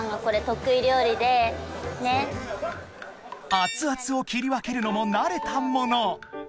［熱々を切り分けるのも慣れたもの］